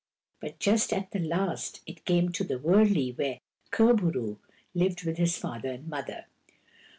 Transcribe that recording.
But just at the last, it came to the wurley where Kur bo roo lived with his father and mother.